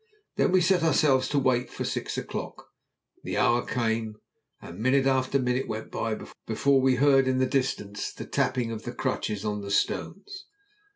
Then we set ourselves to wait for six o'clock. The hour came; and minute after minute went by before we heard in the distance the tapping of the crutches on the stones.